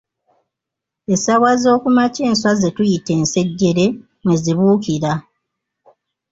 Essaawa zookumakya enswa ze tuyita ensejjere mwe zibuukira.